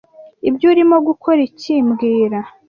Ibyo urimo gukora iki mbwira